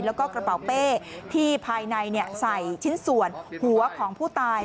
แล้วก็กระเป๋าเป้ที่ภายในใส่ชิ้นส่วนหัวของผู้ตาย